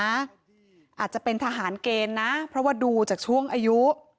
อาจจะเป็นทหารเกณฑ์นะเพราะว่าดูจากช่วงอายุ